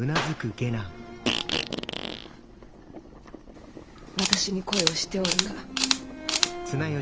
私に恋をしておるか。